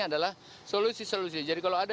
adalah solusi solusi jadi kalau ada